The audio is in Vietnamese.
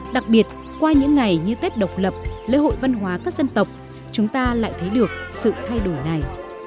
đặc biệt qua những ngày như tết độc lập lễ hội văn hóa các dân tộc chúng ta lại thấy được sự thay đổi này